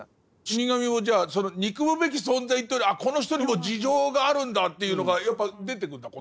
死神もじゃあ憎むべき存在というよりはこの人にも事情があるんだっていうのがやっぱ出てくんだ。